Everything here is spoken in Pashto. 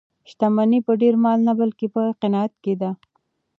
شتمني په ډېر مال نه بلکې په قناعت کې ده.